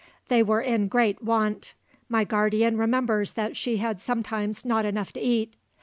They were in great want; my guardian remembers that she had sometimes not enough to eat.